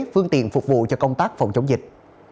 phương tiện phục vụ cho công tác phòng chống dịch